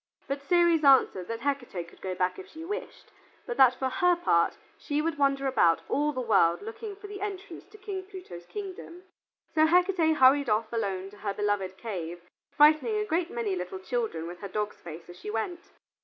But Ceres answered that Hecate could go back if she wished, but that for her part she would wander about all the world looking for the entrance to King Pluto's kingdom. So Hecate hurried off alone to her beloved cave, frightening a great many little children with her dog's face as she went.